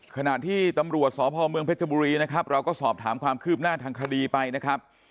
ขณะที่ตำรวจสพเมืองเพชรบุรีนะครับเราก็สอบถามความคืบหน้าทางคดีไปนะครับ